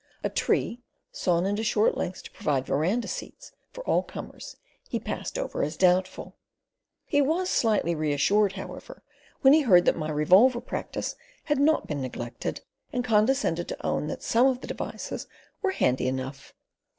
A tree sawn into short lengths to provide verandah seats for all comers he passed over as doubtful. He was slightly reassured however, when he heard that my revolver practice had not been neglected, and condescended to own that some of the devices were "handy enough."